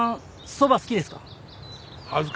そば好きですか？